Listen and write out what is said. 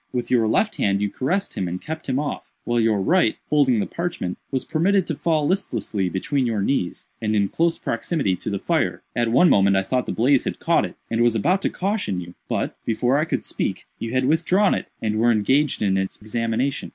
With your left hand you caressed him and kept him off, while your right, holding the parchment, was permitted to fall listlessly between your knees, and in close proximity to the fire. At one moment I thought the blaze had caught it, and was about to caution you, but, before I could speak, you had withdrawn it, and were engaged in its examination.